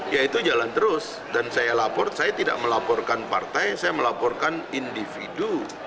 ya itu jalan terus dan saya lapor saya tidak melaporkan partai saya melaporkan individu